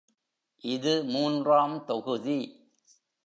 இது மூன்றாம் தொகுதி.